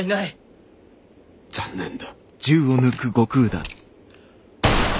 残念だ。